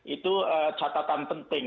itu catatan penting